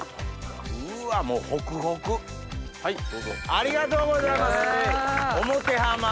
ありがとうございます。